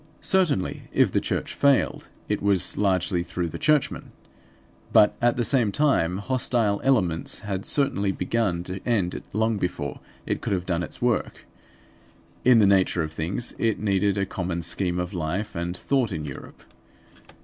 Certainly, if the church failed it was largely through the churchmen. But at the same time hostile elements had certainly begun to end it long before it could have done its work. In the nature of things it needed a common scheme of life and thought in Europe.